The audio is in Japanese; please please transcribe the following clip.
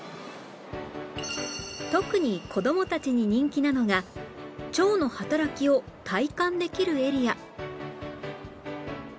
特に子供たちに人気なのが腸の働きを体感できるエリア